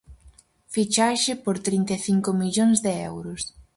Fichaxe por trinta e cinco millóns de euros.